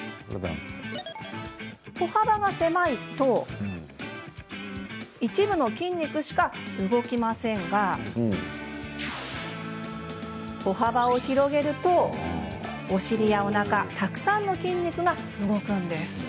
歩幅が狭いと一部の筋肉しか動きませんが歩幅を広げると、お尻やおなかたくさんの筋肉が動くのです。